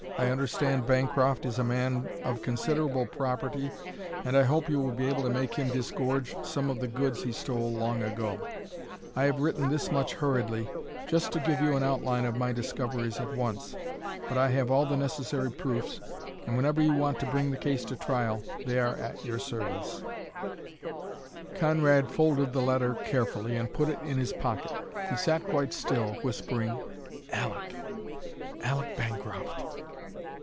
I understand Bancroft is a man of considerable property and I hope you will be able to make him disgorge some of the goods he stole so long ago. I have written this much hurriedly, just to give you an outline of my discoveries at once. But I have all the necessary proofs, and whenever you want to bring the case to trial they are at your service." Conrad folded the letter carefully, and put it in his pocket. He sat quite still, whispering "Aleck! Aleck Bancroft!"